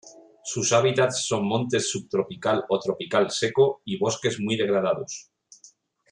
Sus hábitats son montes subtropical o tropical seco, y bosques muy degradados.